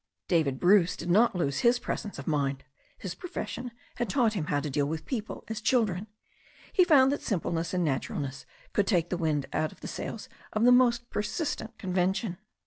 David Bruce did not lose his presence of mind. His pro fession had taught him to deal with people as children. He had found that simpleness and naturalness could take the wind out of the sails of the most persistent convention.